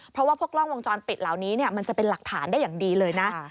เพราะว่าพวกกล้องวงจรปิดเหล่านี้มันจะเป็นหลักฐานได้อย่างดีเลยนะ